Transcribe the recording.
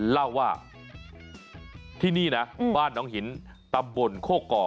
เล่าว่าที่นี่นะบ้านน้องหินตำบลโคก่อ